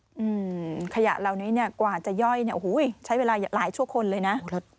อืมขยะเหล่านี้กว่าจะย่อยใช้เวลาหลายชั่วคนเลยนะ